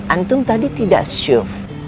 antum tadi tidak syuf